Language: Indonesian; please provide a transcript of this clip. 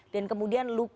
dan kemudian luka